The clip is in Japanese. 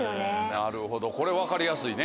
なるほどこれ分かりやすいね。